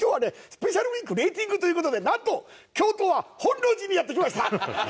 スペシャルウィークのエンディングという事でなんと京都は本能寺にやって来ました。